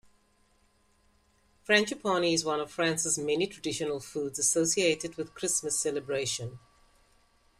Frangipane is one of France's many traditional foods associated with Christmas celebration.